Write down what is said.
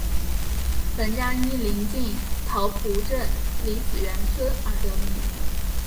本站因临近桃浦镇李子园村而得名。